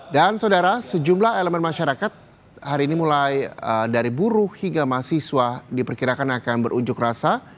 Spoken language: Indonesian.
dan saudara sejumlah elemen masyarakat hari ini mulai dari buruh hingga mahasiswa diperkirakan akan berunjuk rasa